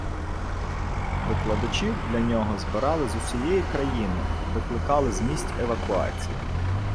Викладачів для нього збирали з усієї країни, викликали з місць евакуації.